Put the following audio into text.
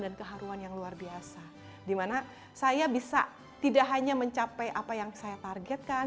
keharuan yang luar biasa dimana saya bisa tidak hanya mencapai apa yang saya targetkan